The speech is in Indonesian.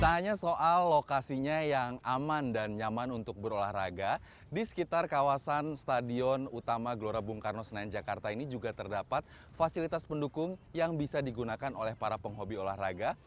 tak hanya soal lokasinya yang aman dan nyaman untuk berolahraga di sekitar kawasan stadion utama gelora bung karno senayan jakarta ini juga terdapat fasilitas pendukung yang bisa digunakan oleh para penghobi olahraga